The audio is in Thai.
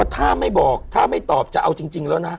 ถ้าไม่บอกถ้าไม่ตอบจะเอาจริงแล้วนะ